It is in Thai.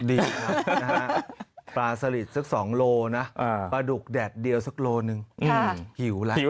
ดีค่ะนะฮะปลาสลิดสัก๒โลนะปลาดุกแดดเดียวสักโลหนึ่งหิวแล้วหิว